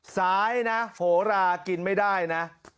ซ้ายนะโหรากินไม่ได้นะ